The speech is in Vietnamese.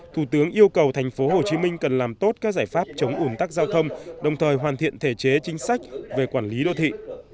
thủ tướng yêu cầu thành phố hồ chí minh cần làm tốt các giải pháp chống ủn tắc giao thông đồng thời hoàn thiện thể chế chính sách về quản lý đô thị